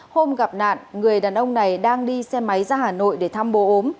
hôm gặp nạn người đàn ông này đang đi xe máy ra hà nội để thăm bố ốm